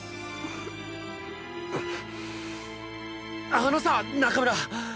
あのさ中村っ。